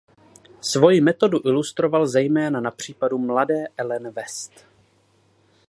Svoji metodu ilustroval zejména na případu mladé Ellen West.